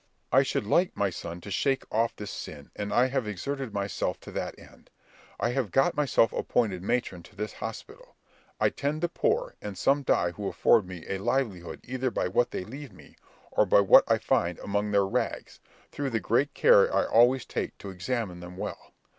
"I should like, my son, to shake off this sin, and I have exerted myself to that end. I have got myself appointed matron to this hospital; I tend the poor, and some die who afford me a livelihood either by what they leave me, or by what I find among their rags, through the great care I always take to examine them well.